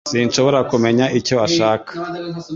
Sinshobora kumenya icyo ashaka